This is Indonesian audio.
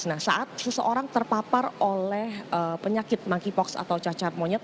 nah saat seseorang terpapar oleh penyakit monkeypox atau cacar monyet